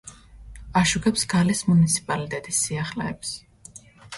აშუქებს გალის მუნიციპალიტეტის სიახლეებს.